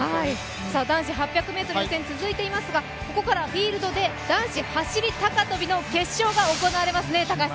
男子８００ｍの予選続いていますが、ここからフィールドで男子走高跳の決勝が行われますね。